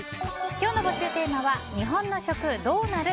今日の募集テーマは日本の食どうなる？